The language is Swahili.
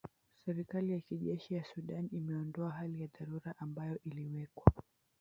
Serikali ya kijeshi ya Sudan imeondoa hali ya dharura ambayo iliwekwa